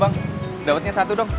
bang dawetnya satu dong